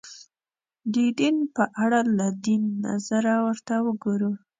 د دین په اړه له دین نظره ورته وګورو